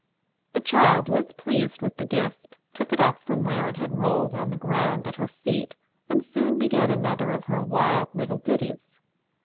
The child was pleased with the gift, took it up from where it had rolled on the ground at her feet, and soon began another of her wild little ditties.